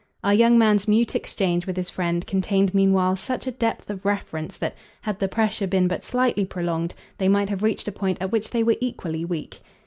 Our young man's mute exchange with his friend contained meanwhile such a depth of reference that, had the pressure been but slightly prolonged, they might have reached a point at which they were equally weak.